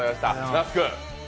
那須君。